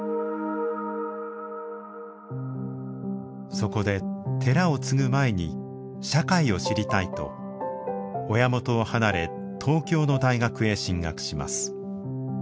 そこで寺を継ぐ前に社会を知りたいと親元を離れ東京の大学へ進学します。